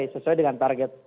sesuai dengan target